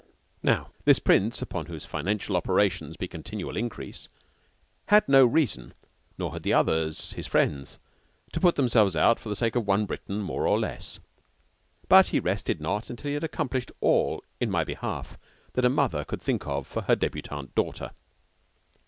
Now, this prince, upon whose financial operations be continual increase, had no reason, nor had the others, his friends, to put himself out for the sake of one Briton more or less, but he rested not till he had accomplished all in my behalf that a mother could think of for her debutante daughter.